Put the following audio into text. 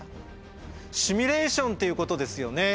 シミュレーションっていうことですよね。